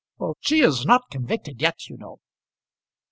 "She is not convicted yet, you know."